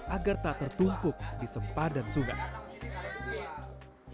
agar tak tertumpuk di sempadan sungai